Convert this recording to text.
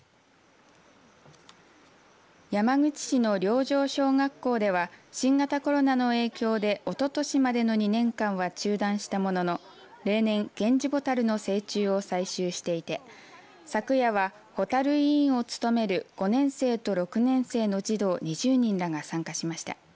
山口市の良城小学校では新型コロナの影響でおととしまでの２年間は中断したものの例年ゲンジボタルの成虫を採集していて昨夜はホタル委員を務める５年生と６年生の児童２０人らが参加しました。